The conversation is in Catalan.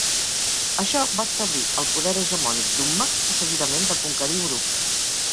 Això va establir el poder hegemònic d'Umma, que seguidament va conquerir Uruk.